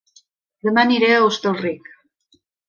Dema aniré a Hostalric